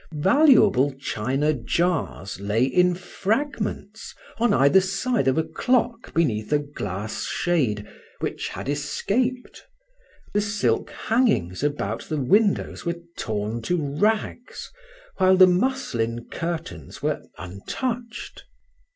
Valuable china jars lay in fragments on either side of a clock beneath a glass shade, which had escaped. The silk hangings about the windows were torn to rags, while the muslin curtains were untouched.